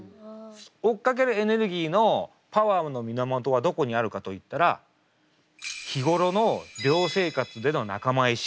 追っかけるエネルギーのパワーの源はどこにあるかといったら日頃の寮生活での仲間意識